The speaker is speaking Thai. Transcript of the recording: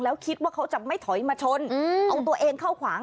แล้วคิดว่าเขาจะไม่ถอยมาชนเอาตัวเองเข้าขวาง